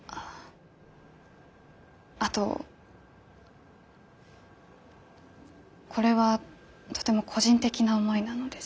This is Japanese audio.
あとこれはとても個人的な思いなのですが。